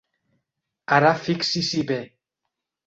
Ara fixi-s'hi bé.